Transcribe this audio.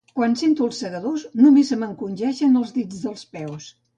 Quan sento els Segadors només se m'encongeixen els dits dels peus.